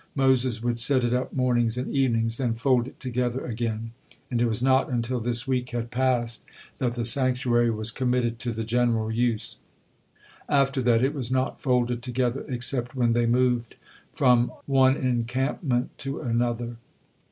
Moses would set it up mornings and evenings, then fold it together again, and it was not until this week had passed that the sanctuary was committed to the general use. After that it was not folded together except when they moved from on encampment to another.